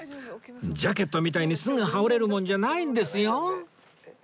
ジャケットみたいにすぐ羽織れるもんじゃないんですよ